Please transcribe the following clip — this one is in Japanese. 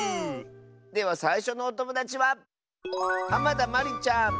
ではさいしょのおともだちはまりちゃんの。